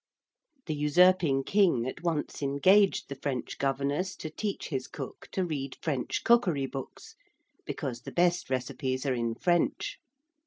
The usurping King at once engaged the French governess to teach his cook to read French cookery books, because the best recipes are in French.